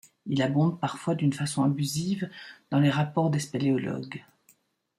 Il abonde, parfois d'une façon abusive, dans les rapports des spéléologues.